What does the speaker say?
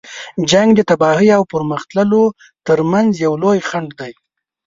جنګ د تباهۍ او پرمخ تللو تر منځ یو لوی خنډ دی.